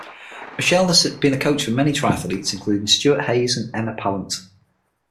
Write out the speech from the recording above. Michelle has been a coach for many traithletes including Stuart Hayes and Emma Pallent.